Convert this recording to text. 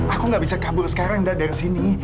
aku gak bisa kabur sekarang dah dari sini